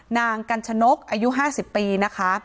กัญชนกอายุ๕๐ปีนะคะ